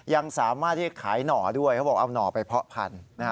ยังสามารถที่ขายหน่อด้วยเขาบอกเอาหน่อไปเพาะพันธุ์